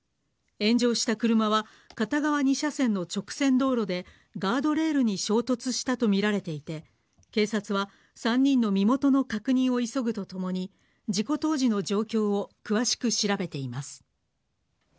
炎上した車は、片側２車線の直線道路で、ガードレールに衝突したと見られていて、警察は３人の身元の確認を急ぐとともに、事故当時の状況を詳しく調べています。